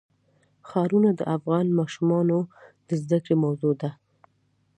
ښارونه د افغان ماشومانو د زده کړې موضوع ده.